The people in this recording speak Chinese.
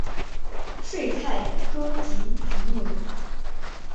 睡菜科及菊目。